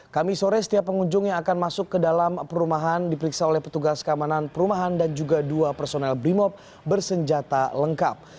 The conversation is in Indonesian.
kami sore setiap pengunjung yang akan masuk ke dalam perumahan diperiksa oleh petugas keamanan perumahan dan juga dua personel brimob bersenjata lengkap